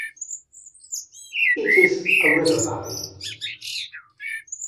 It is a river valley.